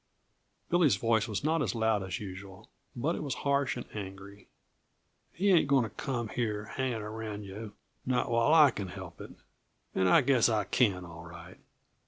Billy's voice was not as loud as usual, but it was harsh and angry. "He ain't going to come here hanging around you not while I can help it, and I guess I can, all right!"